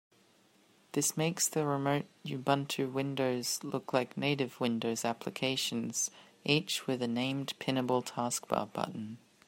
This makes the remote Ubuntu windows look like native Windows applications, each with a named pinnable taskbar button.